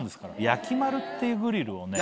「やきまる」っていうグリルをね。